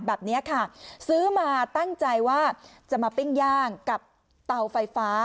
แบบนี้ค่ะซื้อมาตั้งใจว่าจะมาปิ้งย่างกับเตาไฟฟ้า